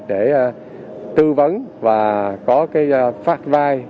để tư vấn và có cái phát vai